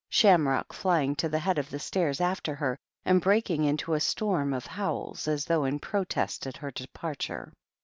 Shamrock flying, to the head of the stairs after her, and breaking into a storm of howls, as though in protest at her departure.